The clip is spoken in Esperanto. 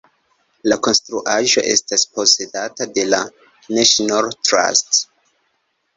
La konstruaĵo estas posedata de la National Trust.